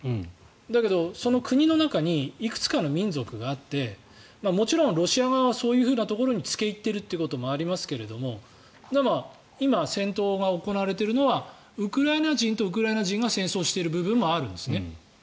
だけどその国の中にいくつかの民族があってもちろんロシア側はそういうところに付け入っているというところもありますが今、戦闘が行われているのはウクライナ人とウクライナ人が戦争している部分もあるんです。